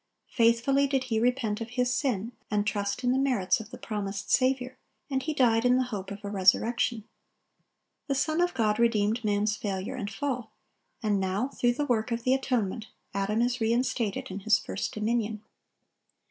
Faithfully did he repent of his sin, and trust in the merits of the promised Saviour, and he died in the hope of a resurrection. The Son of God redeemed man's failure and fall; and now, through the work of the atonement, Adam is re instated in his first dominion.